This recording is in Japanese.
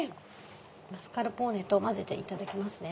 マスカルポーネと混ぜていただきますね。